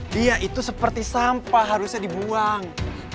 dia itu seperti sampah harusnya dibuang